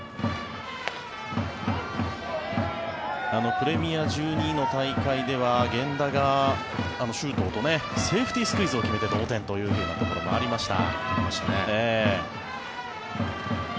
プレミア１２の大会では源田が周東とセーフティースクイズを決めて同点というところがありました。